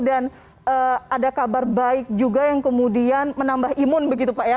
dan ada kabar baik juga yang kemudian menambah imun begitu pak ya